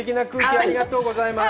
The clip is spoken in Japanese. ありがとうございます！